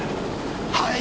はい！？